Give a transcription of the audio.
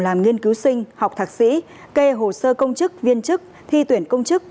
làm nghiên cứu sinh học thạc sĩ kê hồ sơ công chức viên chức thi tuyển công chức